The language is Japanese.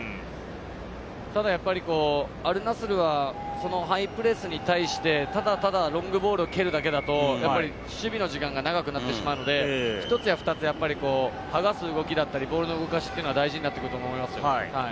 ただやっぱりアルナスルはハイプレスに対して、ただロングボールを蹴るだけだと守備の時間が長くなってしまって、１つや２つ、やっぱり剥がす動きだったり、ボールの動かしというのが大事になってくると思いますよ。